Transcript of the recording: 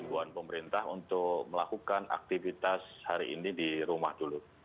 himbauan pemerintah untuk melakukan aktivitas hari ini di rumah dulu